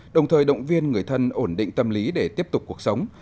đồng thời động viên người thân ổn định tâm lý để tiếp tục cuộc sống